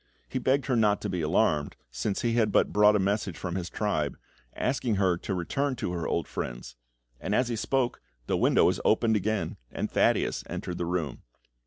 He begged her not to be alarmed, since he had but brought a message from his tribe, asking her to return to her old friends; and as he spoke, the window was opened again, and Thaddeus entered the room.